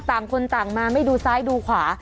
ต่างคนต่างมาไม่ดูซ้ายดูขวา